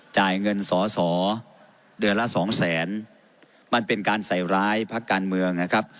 จ่ายเงินสอสอเดือนละสองแสนมันเป็นการใส่ร้ายพักการเมืองนะครับ